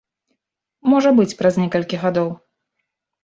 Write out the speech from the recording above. Можа быць, праз некалькі гадоў.